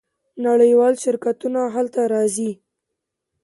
نړیوال شرکتونه هلته راځي.